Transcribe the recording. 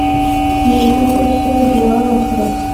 مېلمه ته ښه دعا وکړه.